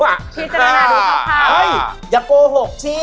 ไม่ได้สิทธิ์ของเขา